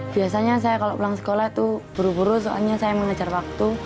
biasanya saya kalau pulang sekolah itu buru buru soalnya saya mengejar waktu